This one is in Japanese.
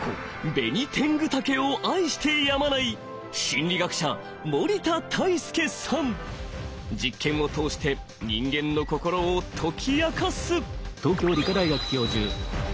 ベニテングタケを愛してやまない実験を通して人間の心を解き明かす。